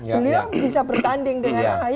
beliau bisa bertanding dengan ahy